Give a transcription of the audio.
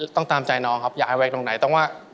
ต้องตามใจน้องครับอย่าให้ไว้ตรงไหนต้องว่า